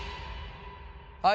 はい。